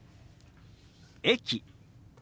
「駅」。